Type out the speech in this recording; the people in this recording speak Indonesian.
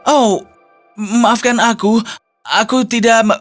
oh maafkan aku aku tidak